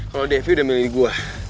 kalau devi udah milih gue